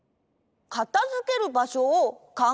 かたづけるばしょをかんがえる？